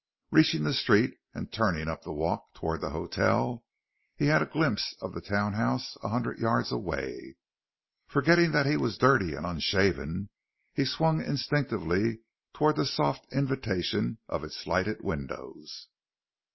Reaching the street and turning up the walk toward the hotel, he had a glimpse of the townhouse a hundred yards away. Forgetting that he was dirty and unshaven, he swung instinctively toward the soft invitation of its lighted windows.